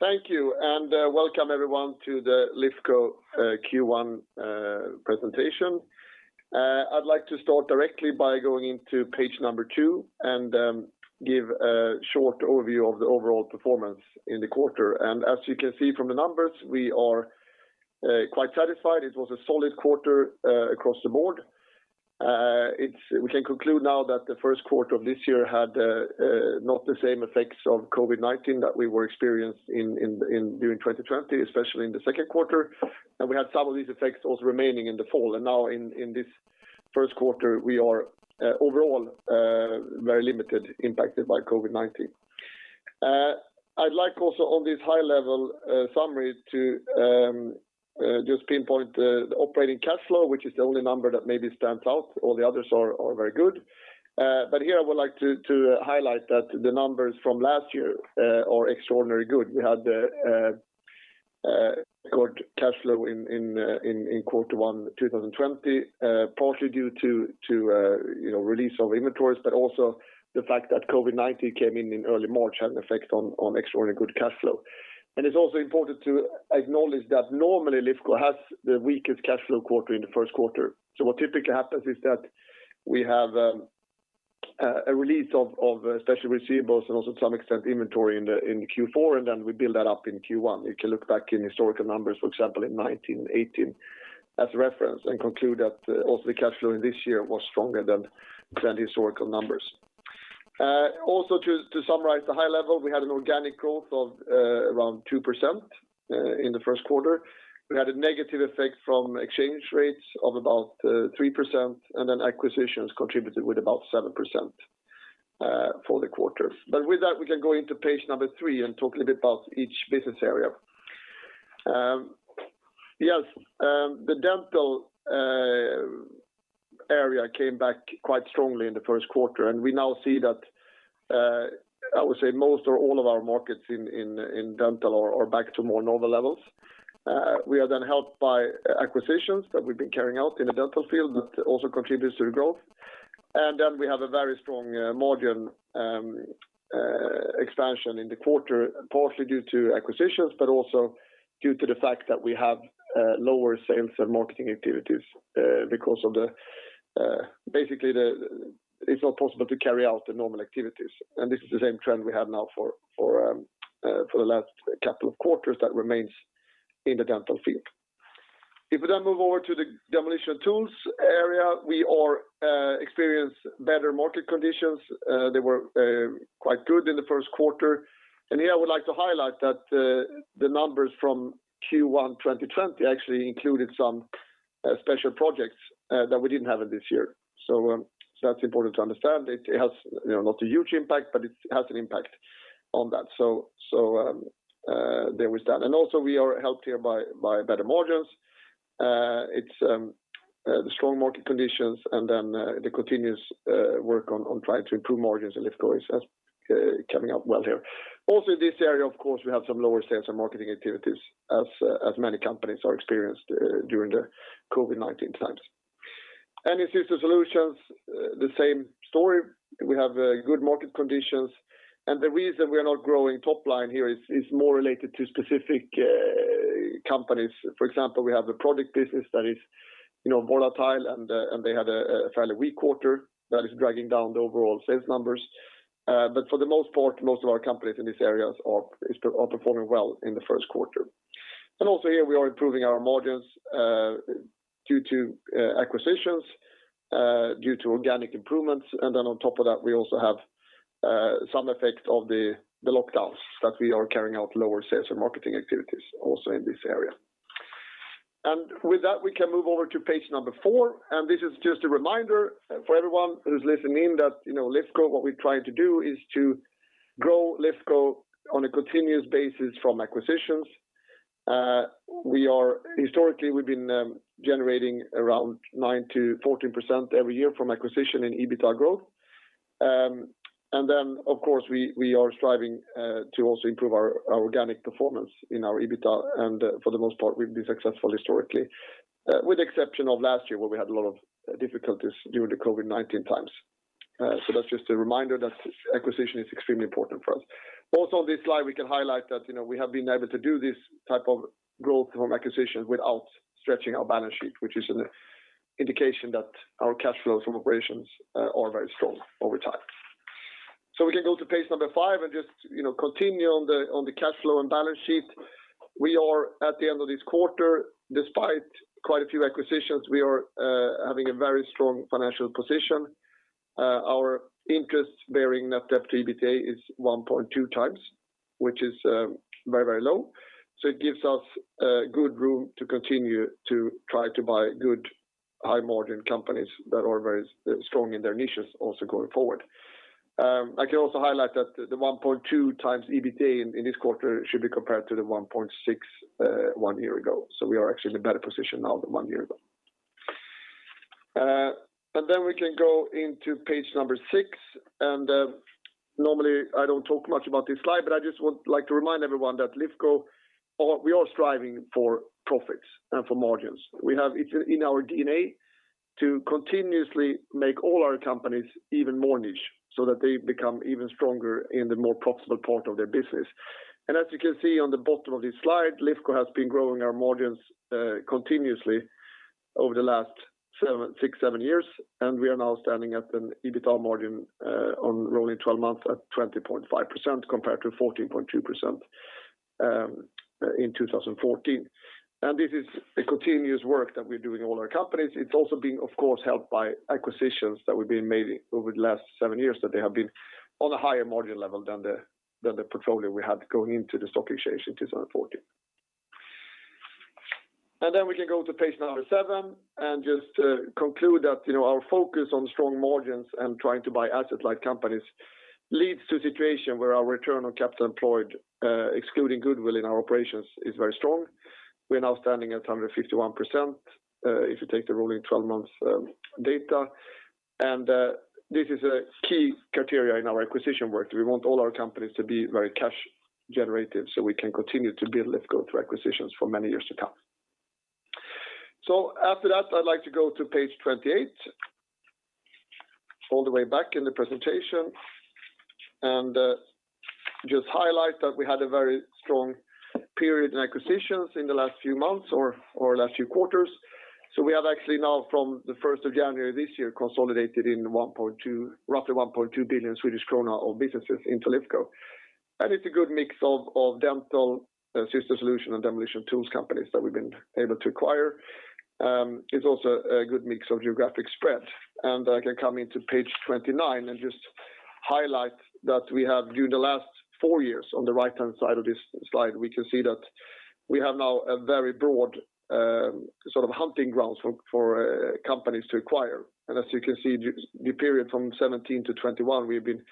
Thank you, and welcome everyone to the Lifco Q1 presentation. I'd like to start directly by going into page number two and give a short overview of the overall performance in the quarter. As you can see from the numbers, we are quite satisfied. It was a solid quarter across the board. We can conclude now that the first quarter of this year had not the same effects of COVID-19 that we were experienced during 2020, especially in the second quarter, and we had some of these effects also remaining in the fall. Now in this first quarter, we are overall very limited impacted by COVID-19. I'd like also on this high-level summary to just pinpoint the operating cash flow, which is the only number that maybe stands out. All the others are all very good. Here I would like to highlight that the numbers from last year are extraordinarily good. We had a good cash flow in quarter one 2020, partly due to release of inventories, but also the fact that COVID-19 came in in early March had an effect on extraordinary good cash flow. It's also important to acknowledge that normally Lifco has the weakest cash flow quarter in the first quarter. What typically happens is that we have a release of special receivables and also to some extent inventory in Q4, and then we build that up in Q1. You can look back in historical numbers, for example, in 2019, 2018 as a reference and conclude that also the cash flow in this year was stronger than historical numbers. Also to summarize the high-level, we had an organic growth of around 2% in the first quarter. We had a negative effect from exchange rates of about 3%, and then acquisitions contributed with about 7% for the quarter. With that, we can go into page number three and talk a little bit about each business area. Yes, the Dental area came back quite strongly in the first quarter, and we now see that, I would say most or all of our markets in Dental are back to more normal levels. We are then helped by acquisitions that we've been carrying out in the Dental field that also contributes to the growth. We have a very strong margin expansion in the quarter, partly due to acquisitions, but also due to the fact that we have lower sales and marketing activities because basically it's not possible to carry out the normal activities. This is the same trend we have now for the last couple of quarters that remains in the Dental field. If we move over to the Demolition & Tools area, we are experience better market conditions. They were quite good in the first quarter, and here I would like to highlight that the numbers from Q1 2020 actually included some special projects that we didn't have in this year. That's important to understand. It has not a huge impact, but it has an impact on that. There with that. Also we are helped here by better margins. It's the strong market conditions and then the continuous work on trying to improve margins at Lifco is coming out well here. Also in this area, of course, we have some lower sales and marketing activities as many companies are experienced during the COVID-19 times. In Systems Solutions, the same story. We have good market conditions, and the reason we are not growing top line here is more related to specific companies. For example, we have a project business that is volatile, and they had a fairly weak quarter that is dragging down the overall sales numbers. For the most part, most of our companies in these areas are performing well in the first quarter. Also here we are improving our margins due to acquisitions, due to organic improvements. Then on top of that, we also have some effect of the lockdowns that we are carrying out lower sales and marketing activities also in this area. With that, we can move over to page number four, and this is just a reminder for everyone who's listening that Lifco, what we're trying to do is to grow Lifco on a continuous basis from acquisitions. Historically, we've been generating around 9%-14% every year from acquisition in EBITDA growth. Of course, we are striving to also improve our organic performance in our EBITDA, and for the most part, we've been successful historically. With the exception of last year where we had a lot of difficulties during the COVID-19 times. That's just a reminder that acquisition is extremely important for us. Also on this slide, we can highlight that we have been able to do this type of growth from acquisitions without stretching our balance sheet, which is an indication that our cash flows from operations are very strong over time. We can go to page five and just continue on the cash flow and balance sheet. We are at the end of this quarter, despite quite a few acquisitions, we are having a very strong financial position. Our interest bearing net debt to EBITDA is 1.2x, which is very low. It gives us good room to continue to try to buy good high margin companies that are very strong in their niches also going forward. I can also highlight that the 1.2x EBITDA in this quarter should be compared to the 1.6x one year ago. We are actually in a better position now than one year ago. We can go into page six, and normally I don't talk much about this slide, but I just would like to remind everyone that Lifco, we are striving for profits and for margins. It's in our DNA to continuously make all our companies even more niche, so that they become even stronger in the more profitable part of their business. As you can see on the bottom of this slide, Lifco has been growing our margins continuously over the last six, seven years, and we are now standing at an EBITDA margin on rolling 12 months at 20.5% compared to 14.2% in 2014. This is a continuous work that we're doing in all our companies. It's also being, of course, helped by acquisitions that we've been making over the last seven years, that they have been on a higher margin level than the portfolio we had going into the stock exchange in 2014. We can go to page number seven and just to conclude that our focus on strong margins and trying to buy asset-light companies leads to a situation where our return on capital employed, excluding goodwill in our operations, is very strong. We are now standing at 151%, if you take the rolling 12 months data. This is a key criteria in our acquisition work. We want all our companies to be very cash generative so we can continue to build Lifco through acquisitions for many years to come. After that, I would like to go to page 28, all the way back in the presentation, and just highlight that we had a very strong period in acquisitions in the last few months or last few quarters. We have actually now from the 1st of January this year consolidated in roughly 1.2 billion Swedish krona of businesses into Lifco. It's a good mix of Dental, Systems Solutions, and Demolition & Tools companies that we've been able to acquire. It's also a good mix of geographic spread. I can come into page 29 and just highlight that we have, during the last four years on the right-hand side of this slide, we can see that we have now a very broad hunting grounds for companies to acquire. As you can see, the period from 2017 to 2021, we've been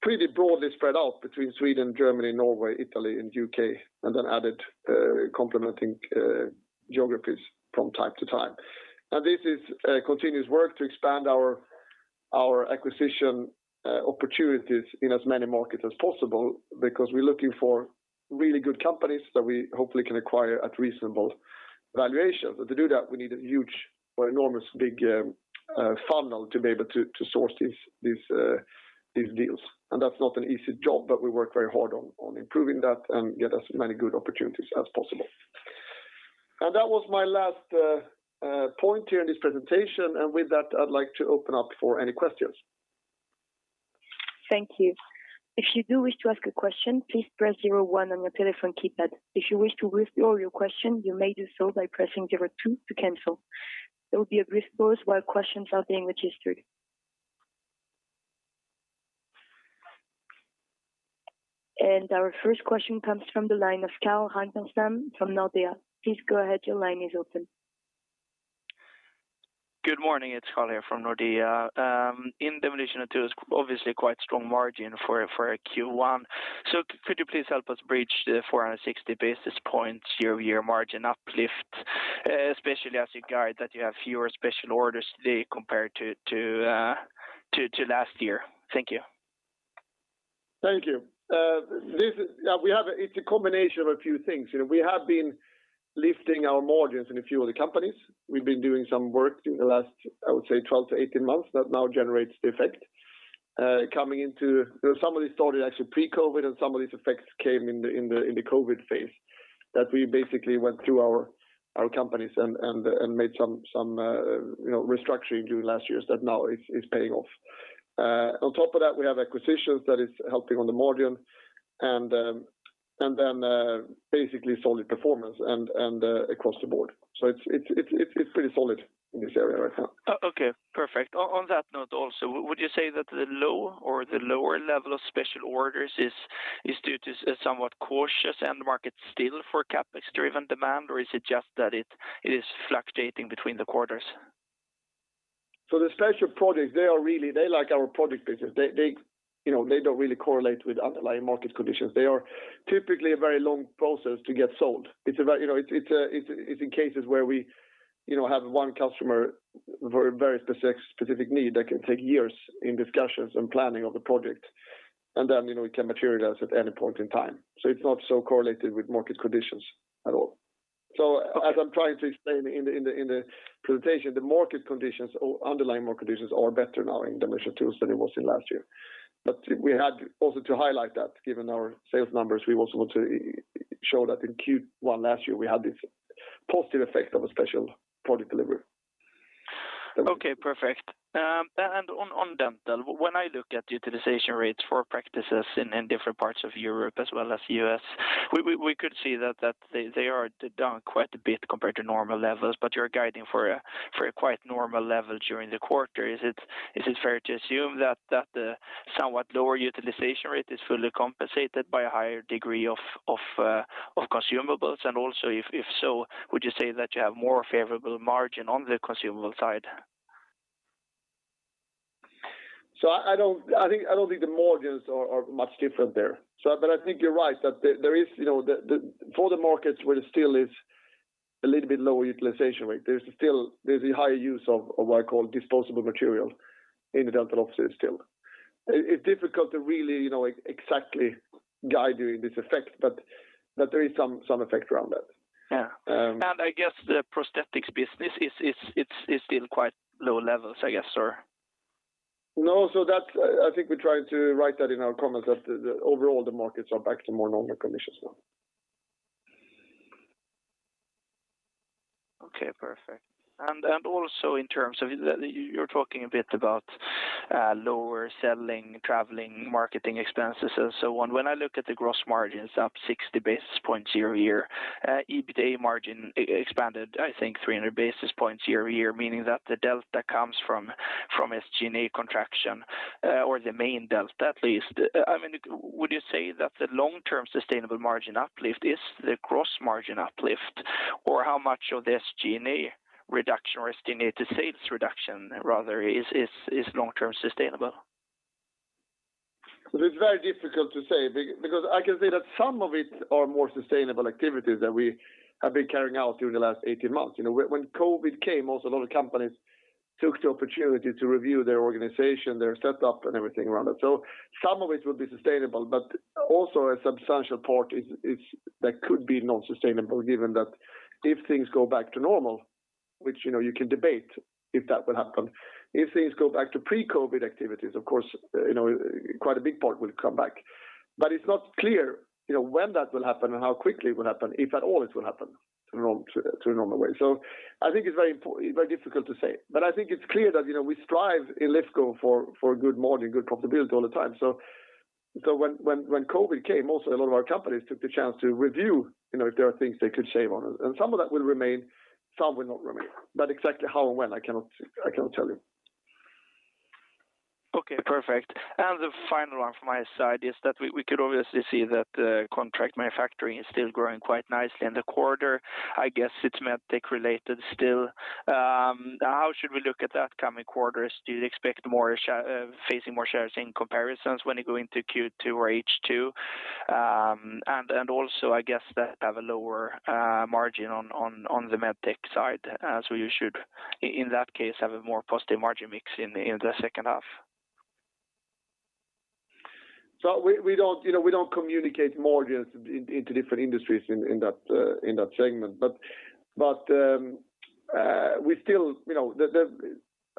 pretty broadly spread out between Sweden, Germany, Norway, Italy, and U.K., and then added complementing geographies from time to time. Now, this is continuous work to expand our acquisition opportunities in as many markets as possible because we're looking for really good companies that we hopefully can acquire at reasonable valuations. To do that, we need a huge or enormously big funnel to be able to source these deals. That's not an easy job, but we work very hard on improving that and get as many good opportunities as possible. That was my last point here in this presentation. With that, I'd like to open up for any questions. Thank you. If you do wish to ask a question, please press zero one on your telephone keypad. If you wish to withdraw your question, you may do so by pressing zero two to cancel. There will be a brief pause while questions are being registered. Our first question comes from the line of Carl Ragnerstam from Nordea. Please go ahead. Your line is open. Good morning. It's Carl here from Nordea. In Demolition & Tools, obviously quite strong margin for a Q1. Could you please help us bridge the 460 basis points year-over-year margin uplift, especially as you guide that you have fewer special orders today compared to last year? Thank you. Thank you. It's a combination of a few things. We have been lifting our margins in a few of the companies. We've been doing some work during the last, I would say, 12-18 months that now generates the effect. Some of these started actually pre-COVID, and some of these effects came in the COVID phase, that we basically went through our companies and made some restructuring during last year that now is paying off. On top of that, we have acquisitions that is helping on the margin and then basically solid performance and across the board. It's pretty solid in this area right now. Okay, perfect. On that note also, would you say that the low or the lower level of special orders is due to somewhat cautious end market still for CapEx-driven demand? Is it just that it is fluctuating between the quarters? The special projects, they like our project business. They don't really correlate with underlying market conditions. They are typically a very long process to get sold. It's in cases where we have one customer, very specific need that can take years in discussions and planning of the project. It can materialize at any point in time. It's not so correlated with market conditions at all. As I'm trying to explain in the presentation, the underlying market conditions are better now in Demolition & Tools than it was in last year. We had also to highlight that given our sales numbers, we also want to show that in Q1 last year, we had this positive effect of a special project delivery. Okay, perfect. On Dental, when I look at utilization rates for practices in different parts of Europe as well as U.S., we could see that they are down quite a bit compared to normal levels, but you're guiding for a quite normal level during the quarter. Is it fair to assume that the somewhat lower utilization rate is fully compensated by a higher degree of consumables? Also, if so, would you say that you have more favorable margin on the consumable side? I don't think the margins are much different there. I think you're right, that for the markets where steel is a little bit lower utilization rate, there's a higher use of what I call disposable material in the Dental offices still. It's difficult to exactly guide you in this effect, but there is some effect around that. Yeah. I guess the prosthetics business is still quite low-levels, I guess, or? No, I think we tried to write that in our comments that overall the markets are back to more normal conditions now. Okay, perfect. Also you're talking a bit about lower selling, traveling, marketing expenses and so on. When I look at the gross margins up 60 basis points year-over-year, EBITDA margin expanded, I think 300 basis points year-over-year, meaning that the delta comes from SG&A contraction, or the main delta at least. Would you say that the long-term sustainable margin uplift is the gross margin uplift? Or how much of the SG&A reduction or estimated sales reduction, rather, is long-term sustainable? It's very difficult to say, because I can say that some of it are more sustainable activities that we have been carrying out during the last 18 months. When COVID came also, a lot of companies took the opportunity to review their organization, their setup and everything around that. Some of it will be sustainable, but also a substantial part that could be non-sustainable given that if things go back to normal, which you can debate if that will happen, if things go back to pre-COVID activities, of course, quite a big part will come back. It's not clear when that will happen and how quickly it will happen, if at all it will happen to a normal way. I think it's very difficult to say. I think it's clear that we strive in Lifco for a good margin, good profitability all the time. When COVID came also, a lot of our companies took the chance to review if there are things they could shave on it. Some of that will remain, some will not remain. Exactly how and when, I cannot tell you. Okay, perfect. The final one from my side is that we could obviously see that Contract Manufacturing is still growing quite nicely in the quarter. I guess it's medtech related still. How should we look at that coming quarters? Do you expect facing more shares in comparisons when you go into Q2 or H2? Also I guess that have a lower margin on the medtech side, so you should, in that case, have a more positive margin mix in the second half. We don't communicate margins into different industries in that segment.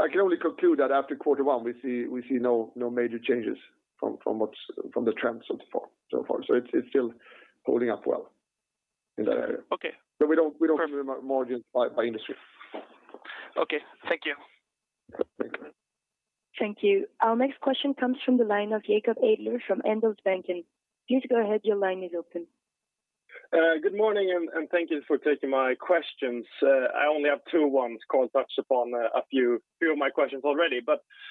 I can only conclude that after quarter one, we see no major changes from the trends so far. It's still holding up well in that area. Okay. We don't do margins by industry. Okay, thank you. Thank you. Thank you. Our next question comes from the line of [Jacob Alder] from Handelsbanken. Please go ahead. Your line is open. Good morning. Thank you for taking my questions. I only have two ones. Carl touched upon a few of my questions already.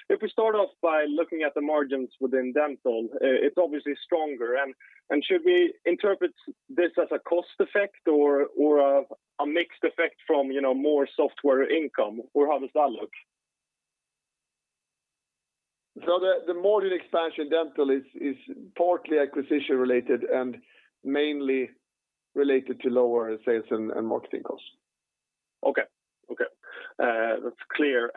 If we start off by looking at the margins within Dental, it's obviously stronger. Should we interpret this as a cost effect or a mixed effect from more software income? How does that look? The margin expansion Dental is partly acquisition related and mainly related to lower sales and marketing costs. Okay. That's clear.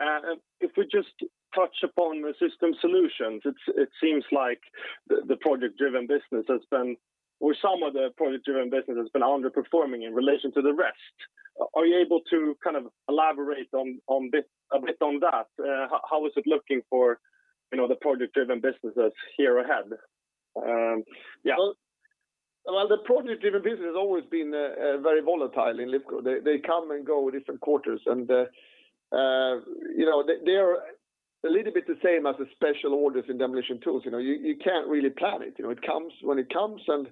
If we just touch upon the Systems Solutions, it seems like the project-driven business, or some of the project driven business has been underperforming in relation to the rest. Are you able to elaborate a bit on that? How is it looking for the project-driven businesses here ahead? Yeah. The project-driven business has always been very volatile in Lifco. They come and go different quarters and they are a little bit the same as the special orders in Demolition & Tools. You can't really plan it. It comes when it comes, and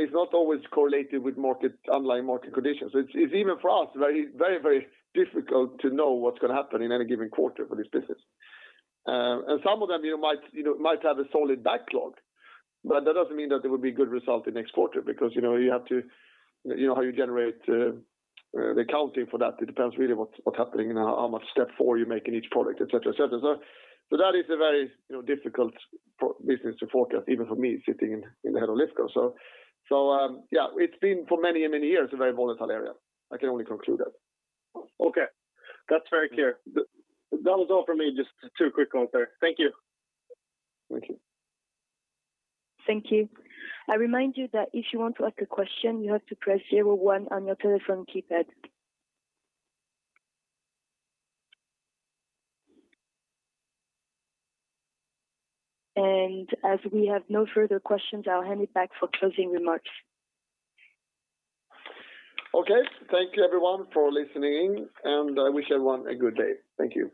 it's not always correlated with underlying market conditions. It's even for us, very difficult to know what's going to happen in any given quarter for this business. Some of them might have a solid backlog, but that doesn't mean that there will be good result in next quarter because you know how you generate the accounting for that, it depends really what's happening now, how much step-up you make in each project, et cetera. That is a very difficult business to forecast, even for me sitting in the head of Lifco. Yeah, it's been for many years a very volatile area. I can only conclude that. Okay. That's very clear. That was all for me, just two quick ones there. Thank you. Thank you. Thank you. I remind you that if you want to ask a question, you have to press 01 on your telephone keypad. As we have no further questions, I'll hand it back for closing remarks. Okay. Thank you everyone for listening in, and I wish everyone a good day. Thank you.